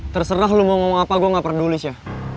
terserah lu mau ngomong apa gua gak peduli sya